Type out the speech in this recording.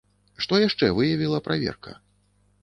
Што яшчэ выявіла праверка?